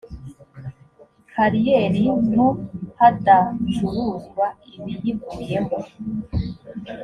kariyeri nto hadacuruzwa ibiyivuyemo